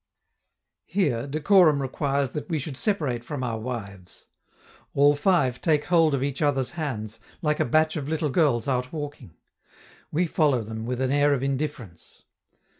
Here, decorum requires that we should separate from our wives. All five take hold of each others' hands, like a batch of little girls out walking. We follow them with an air of indifference.